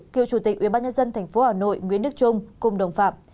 cựu chủ tịch ubnd tp hà nội nguyễn đức trung cùng đồng phạm